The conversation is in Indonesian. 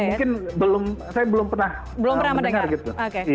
jadi mungkin saya belum pernah mendengar gitu